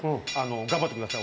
頑張ってください